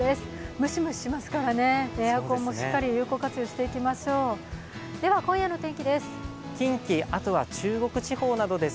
ムシムシしますから、エアコンもしっかり有効活用していきましょうＢｏｏｎａちゃん